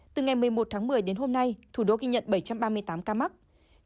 từ ngày một mươi một tháng một mươi đến hôm nay thủ đô ghi nhận bảy trăm ba mươi tám ca mắc